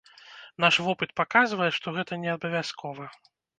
Наш вопыт паказвае, што гэта неабавязкова.